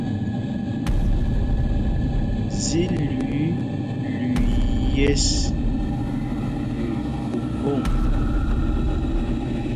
Zí lüǐi lüii yes, lüii phúphōŋ.